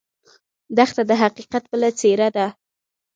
دښته د حقیقت بله څېره ده.